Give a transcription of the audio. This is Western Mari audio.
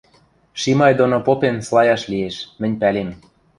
Шимай доно попен слаяш лиэш, мӹнь пӓлем.